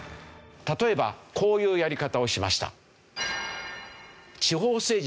例えばこういうやり方をしました。